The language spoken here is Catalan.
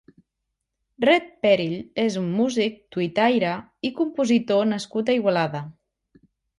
Red Pèrill és un músic, tuitaire i compositor nascut a Igualada.